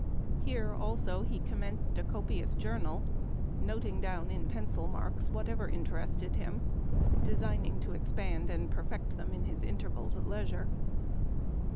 Here also he commenced a copious journal, noting down in pencil marks whatever, interested him, designing to expand and perfect them in his intervals of leisure.